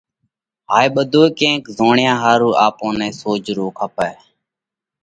هائي ٻڌوئي ڪئين زوڻيا ۿارُو آپون نئہ سوجھرو ڪپئه،